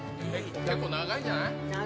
結構長いんじゃない？